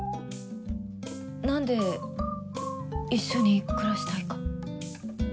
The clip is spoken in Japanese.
何で一緒に暮らしたいか。